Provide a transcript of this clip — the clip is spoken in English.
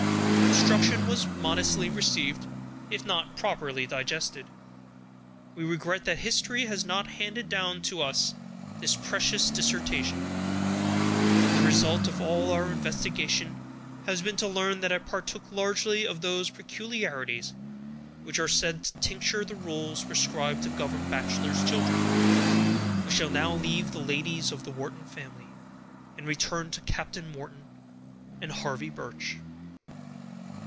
Her instruction was modestly received, if not properly digested. We regret that history has not handed down to us this precious dissertation; but the result of all our investigation has been to learn that it partook largely of those peculiarities which are said to tincture the rules prescribed to govern bachelors' children. We shall now leave the ladies of the Wharton family, and return to Captain Wharton and Harvey Birch.